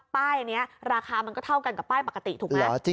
ป้ายนี้ราคามันก็เท่ากันกับป้ายปกติถูกไหม